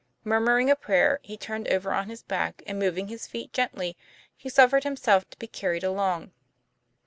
Murmur ing a prayer, he turned over on his back, and, mov ing his feet gently, he suffered himself to be carried along.